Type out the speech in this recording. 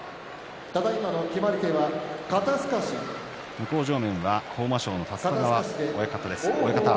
向正面は豊真将の立田川親方です。